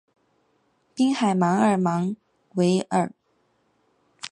滨海埃尔芒维尔。